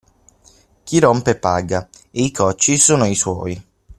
Chi rompe paga e i cocci sono i suoi.